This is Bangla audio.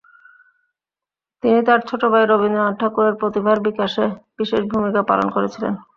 তিনি তার ছোটোভাই রবীন্দ্রনাথ ঠাকুরের প্রতিভার বিকাশে বিশেষ ভূমিকা পালন করেছিলেন।